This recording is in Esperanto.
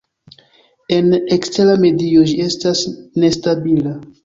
En ekstera medio ĝi estas nestabila.